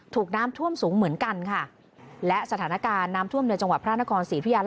ถูกน้ำท่วมสูงเหมือนกันค่ะและสถานการณ์น้ำท่วมในจังหวัดพระนครศรีธุยา